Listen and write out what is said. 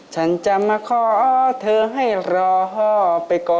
ฉันจะมาขอเธอให้รอพ่อไปก่อน